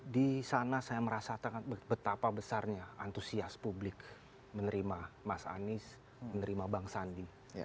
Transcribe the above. di sana saya merasakan betapa besarnya antusias publik menerima mas anies menerima bang sandi